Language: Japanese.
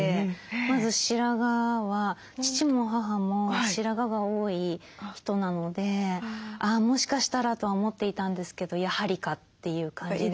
まず白髪は父も母も白髪が多い人なのであもしかしたらとは思っていたんですけどやはりかっていう感じですし。